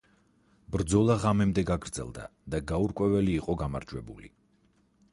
ბრძოლა ღამემდე გაგრძელდა და გაურკვეველი იყო გამარჯვებული.